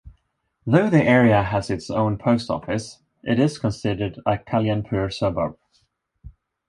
Though the area has its own post office, it is considered a Kalyanpur suburb.